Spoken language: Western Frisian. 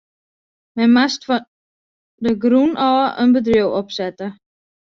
Men moast fan de grûn ôf in bedriuw opsette.